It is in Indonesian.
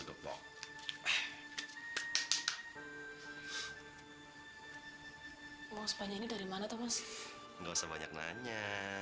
gak usah banyak nanya